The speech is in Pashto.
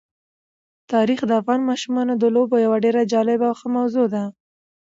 تاریخ د افغان ماشومانو د لوبو یوه ډېره جالبه او ښه موضوع ده.